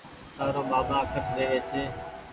تآرو ٻآٻآ ڪٺ رهوي ڇي